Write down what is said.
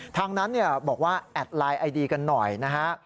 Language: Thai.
ทางนั้นบอกว่าแอดไลน์ไอดีกันหน่อยนะฮะ